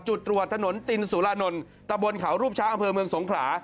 จุดตรวจถนนตินสุรานนท์ตะบนเขารูปช้างอำเภอเมืองสงขลา